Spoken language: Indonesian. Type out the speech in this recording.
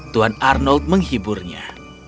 tuan arnold menghiburnya